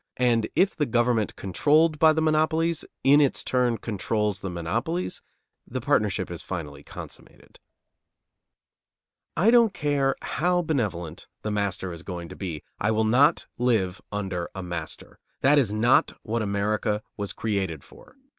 And if the government controlled by the monopolies in its turn controls the monopolies, the partnership is finally consummated. I don't care how benevolent the master is going to be, I will not live under a master. That is not what America was created for.